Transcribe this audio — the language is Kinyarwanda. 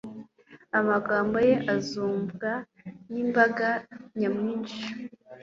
amagambo ye azumvwa nimbaga nyamwinshi